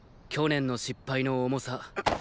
去年の失敗の重さ。